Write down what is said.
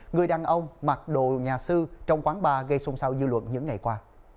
người đàn ông mặc đồ nhà sư trong quán bar gây xung sao dư luận những ngày qua